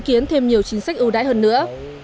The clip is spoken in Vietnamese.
và khiến thêm nhiều chính sách ưu đãi hơn nữa